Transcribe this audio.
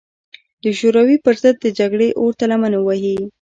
د شوروي پر ضد د جګړې اور ته لمن ووهي.